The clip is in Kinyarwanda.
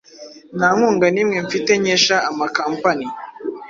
Nta nkunga nimwe mfite nkesha ama company